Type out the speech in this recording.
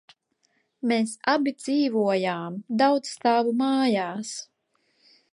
Mēs abi dzīvojām daudzstāvu mājās.